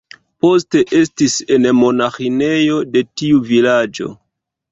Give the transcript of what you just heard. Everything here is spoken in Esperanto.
Poste estis en monaĥinejo de tiu vilaĝo.